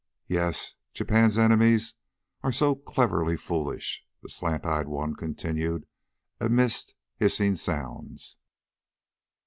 "Yes, Japan's enemies are so cleverly foolish!" the slant eyed one continued amidst hissing sounds.